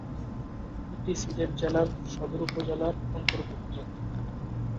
এটি সিলেট জেলার সদর উপজেলার অন্তর্ভুক্ত।